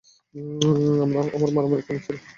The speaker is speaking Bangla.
আমার মারামারি কেমন ছিল?